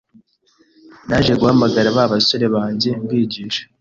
Naje guhamagara ba basore banjye mbigisha